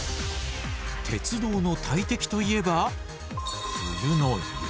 鉄道の大敵といえば冬の雪。